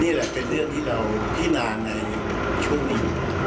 นี่แหละเป็นเรื่องที่เราพินาในชุดนี้